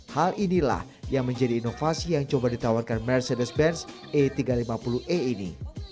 hal inilah yang menjadi inovasi yang coba ditawarkan mercedes benz e tiga ratus lima puluh e ini